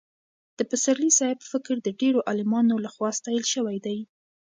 د پسرلي صاحب فکر د ډېرو عالمانو له خوا ستایل شوی دی.